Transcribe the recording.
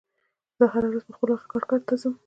زه هره ورځ په خپل وخت کار ته ځم.